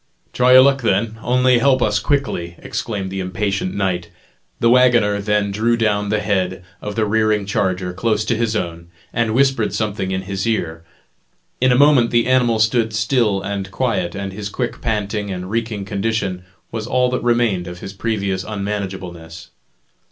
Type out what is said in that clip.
"Try your luck then, only help us quickly!" exclaimed the impatient knight. The wagoner then drew down the head of the rearing charger close to his own, and whispered something in his ear. In a moment the animal stood still and quiet, and his quick panting and reeking condition was all that remained of his previous unmanageableness.